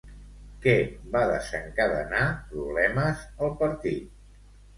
Què va desencadenar problemes al partit?